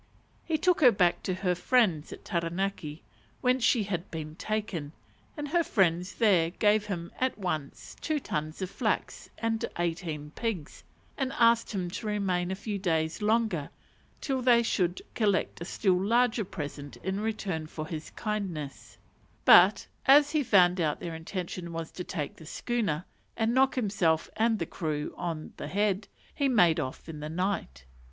He took her back to her friends at Taranaki, whence she had been taken, and her friends there gave him at once two tons of flax and eighteen pigs, and asked him to remain a few days longer till they should collect a still larger present in return for his kindness; but, as he found out their intention was to take the schooner, and knock himself and crew on the head, he made off in the night.